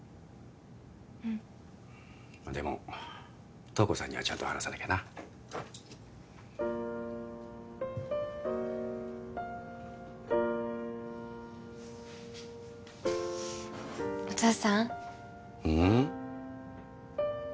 うんでも瞳子さんにはちゃんと話さなきゃなお父さんうん？